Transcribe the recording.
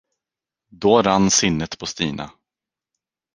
Då rann sinnet på Stina.